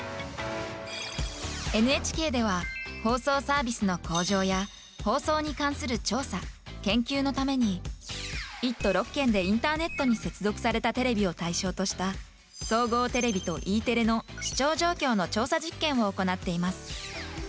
ＮＨＫでは放送サービスの向上や放送に関する調査・研究のために１都６県でインターネットに接続されたテレビを対象とした総合テレビとＥテレの視聴状況の調査実験を行っています。